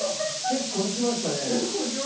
結構いきましたね。